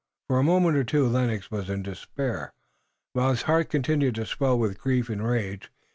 For a moment or two Lennox was in despair, while his heart continued to swell with grief and rage.